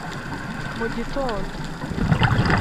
mu gitondo,